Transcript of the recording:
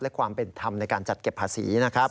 และความเป็นธรรมในการจัดเก็บภาษีนะครับ